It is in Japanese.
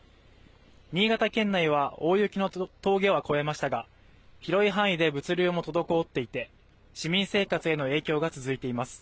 新潟県内は大雪の峠は越えましたが広い範囲で物流も滞っていて市民生活への影響が続いています